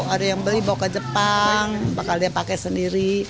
ada yang beli bawa ke jepang bakal dia pakai sendiri